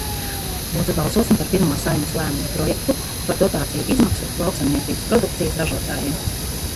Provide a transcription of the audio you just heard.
"Lūdzu, balsosim par pirmo Saeimas lēmuma projektu "Par dotāciju izmaksu lauksaimniecības produkcijas ražotājiem"."